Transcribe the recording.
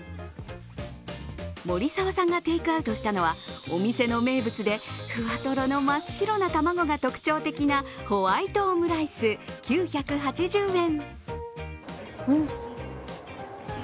森澤さんがテークアウトしたのは、お店の名物でふわトロの真っ白な卵が特徴的なホワイトオムライス９８０円。